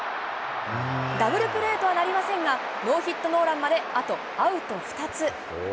ダブルプレーとはなりませんが、ノーヒットノーランまで、あとアウト２つ。